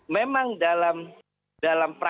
memang dalam praktik